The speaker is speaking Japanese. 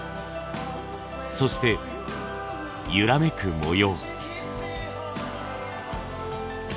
そしてゆらめく模様。